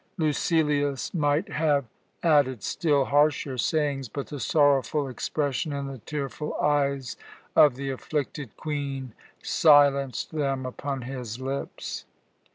'" Lucilius might have added still harsher sayings, but the sorrowful expression in the tearful eyes of the afflicted Queen silenced them upon his lips.